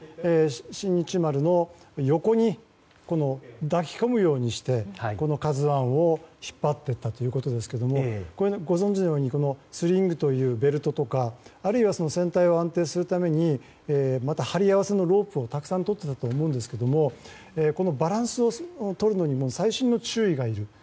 「新日丸」の横に抱き込むようにして「ＫＡＺＵ１」を引っ張っていったということですがご存じのようにスリングというベルトとか船体を安定させるためにロープをたくさんとっていたと思いますがバランスをとるのに細心の注意がいる。